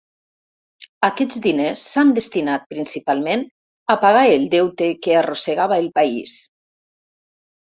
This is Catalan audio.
Aquests diners s’han destinat, principalment, a pagar el deute que arrossegava el país.